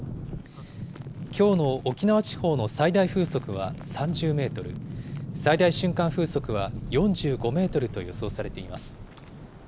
きょうの沖縄地方の最大風速は３０メートル、最大瞬間風速は４５メートルと予想されています。